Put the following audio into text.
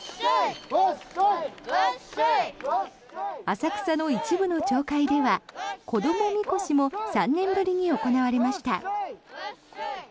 浅草の一部の町会では子供神輿も３年ぶりに行われました。